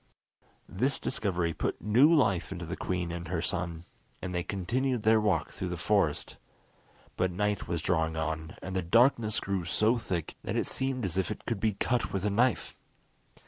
This discovery put new life into the queen and her son, and they continued their walk through the forest. But night was drawing on, and the darkness grew so thick that it seemed as if it could be cut with a knife.